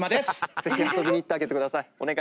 ぜひ遊びに行ってあげてください